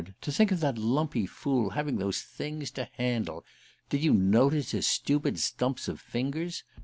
To think of that lumpy fool having those things to handle! Did you notice his stupid stumps of fingers?